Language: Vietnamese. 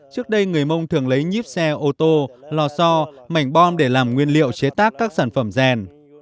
trước đây người mông thường lấy nhiếp xe ô tô lò so mảnh bom để làm nguyên liệu chế tác các sản phẩm rèn